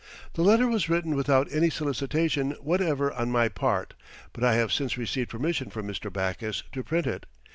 The letter was written without any solicitation whatever on my part, but I have since received permission from Mr. Backus to print it.